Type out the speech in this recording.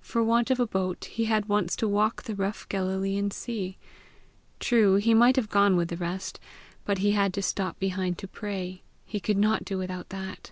For want of a boat he had once to walk the rough Galilean sea. True, he might have gone with the rest, but he had to stop behind to pray: he could not do without that.